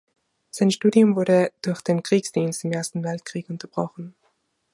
Sein Studium wurde durch den Kriegsdienst im Ersten Weltkrieg unterbrochen.